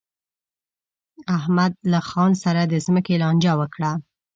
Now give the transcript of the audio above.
احمد له خان سره د ځمکې لانجه وکړه.